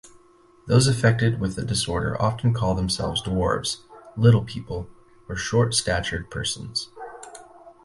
Those affected with the disorder often call themselves dwarves, little people or short-statured persons.